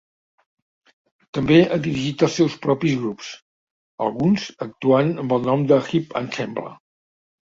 També ha dirigit els seus propis grups, alguns actuant amb el nom Hip Ensemble.